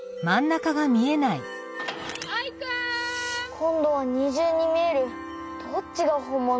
こんどは２じゅうにみえるどっちがほんもの？